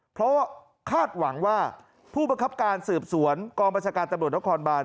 เพราะคาดหวังว่าผู้บังคับการสืบสวนกองบัญชาการตำรวจนครบาน